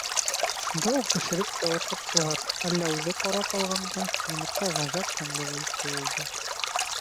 Шунда уҡ бешереп тә ашаттылар, әллә үҙе ҡарап алғанға, йомортҡа ғәжәп тәмле тойолдо.